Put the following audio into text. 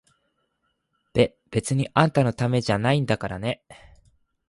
べ、別にあんたのためじゃないんだからね！